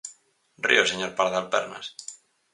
Ri o señor Pardal Pernas.